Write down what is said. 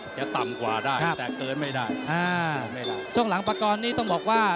จะต่ำกว่าได้แต่เกินไม่ได้อ่าไม่ได้ช่วงหลังปากรนี้ต้องบอกว่า